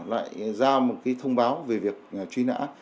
lại ra một thông báo về việc truy nã